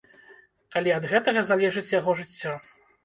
Калі ад гэтага залежыць яго жыццё.